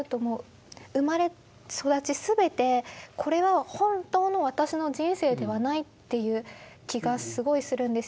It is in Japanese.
生まれ育ち全てこれは本当の私の人生ではないという気がすごいするんです。